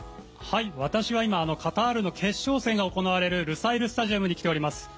私は今、カタールの決勝戦が行われるルサイルスタジアムに来ております。